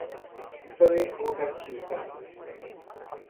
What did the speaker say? prerrogativa